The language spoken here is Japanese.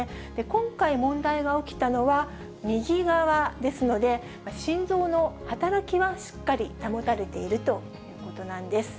今回、問題が起きたのは右側ですので、心臓の働きはしっかり保たれているということなんです。